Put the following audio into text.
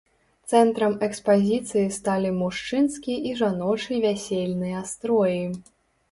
Цэнтрам экспазіцыі сталі мужчынскі і жаночы вясельныя строі.